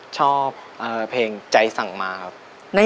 ชอบเพลงใจสั่งมาครับ